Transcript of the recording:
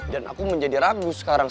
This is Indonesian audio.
dan aku menjadi ragu sekarang